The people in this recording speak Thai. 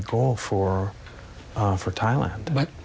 สำหรับแผ่นประกอบที่สำนักท่าน